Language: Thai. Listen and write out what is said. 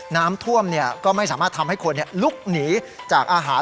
น้ำท่วมก็ไม่สามารถทำให้คนลุกหนีจากอาหาร